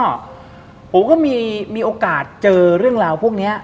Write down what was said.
ผมก็มีโอกาสเจอเรื่องราวพวกนี้